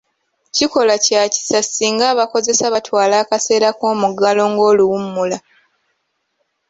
Kikola Kya kisa singa abakozesa batwala akaseera k'omuggalo nga oluwummula.